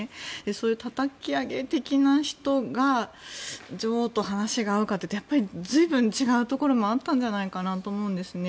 そういうたたき上げ的な人が女王と話が合うかというとやっぱり随分違うところもあったんじゃないかなと思うんですね。